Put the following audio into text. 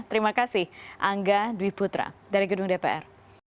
terima kasih angga dwi putra dari gedung dpr